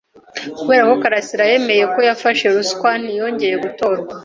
Kubera ko karasira yemeye ko yafashe ruswa, ntiyongeye gutorwa.